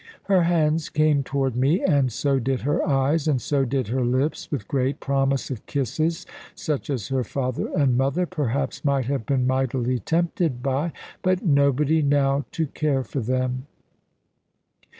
Her hands came toward me, and so did her eyes, and so did her lips, with great promise of kisses, such as her father and mother perhaps might have been mightily tempted by; but nobody now to care for them.